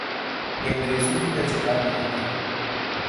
یہ انگریزوں کی ترجیحات نہیں تھیں۔